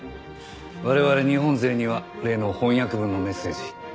我々日本勢には例の翻訳文のメッセージ。